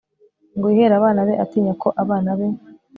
ngo yihere abana be atinya ko abana be